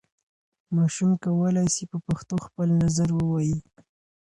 ماشوم کولای سي په پښتو خپل نظر ووايي.